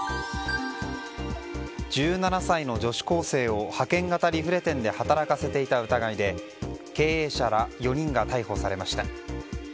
１７歳の女子高生を派遣型リフレ店で働かせていた疑いで経営者ら４人が逮捕されました。